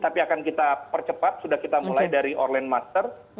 tapi akan kita percepat sudah kita mulai dari online master